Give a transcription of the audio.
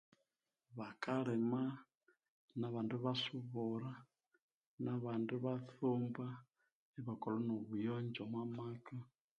Bakalima nabandi ibasubura nabandi ibatsumba ibakola nobuyonjo omwamaka